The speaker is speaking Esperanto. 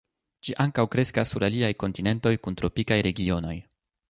Ĝi ankaŭ kreskas sur aliaj kontinentoj kun tropikaj regionoj.